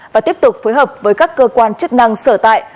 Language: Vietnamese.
và tiếp tục phối hợp với các cơ quan chức năng sở tại